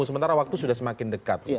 sementara waktu sudah semakin dekat